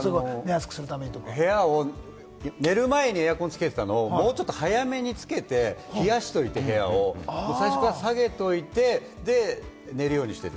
寝る前にエアコンをつけてたのをもうちょっと早めにつけて、冷やしておいて部屋を、最初から下げておいて、寝るようにしている。